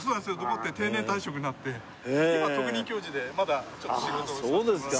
残って定年退職になって今特任教授でまだちょっと仕事をさせてもらって。